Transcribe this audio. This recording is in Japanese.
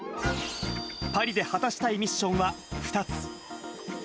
パリで果たしたいミッションは２つ。